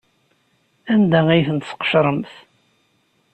Anda ay tent-tceqremt?